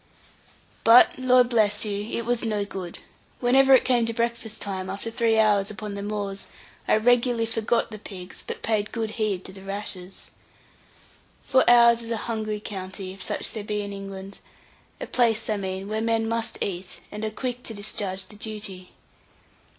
But, Lord bless you! it was no good. Whenever it came to breakfast time, after three hours upon the moors, I regularly forgot the pigs, but paid good heed to the rashers. For ours is a hungry county, if such there be in England; a place, I mean, where men must eat, and are quick to discharge the duty.